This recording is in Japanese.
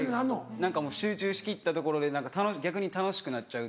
何かもう集中しきったところで逆に楽しくなっちゃうというか。